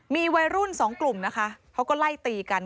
มีวัยรุ่นสองกลุ่มนะคะเขาก็ไล่ตีกัน